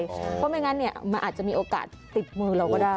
เพราะไม่งั้นมันอาจจะมีโอกาสติดมือเราก็ได้